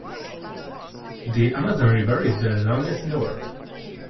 The Amazon River is the longest in the world.